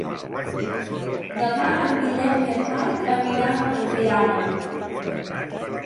Demà en Guillem i en Marc aniran a Borriana.